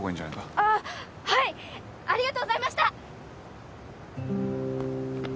あっはいありがとうございました！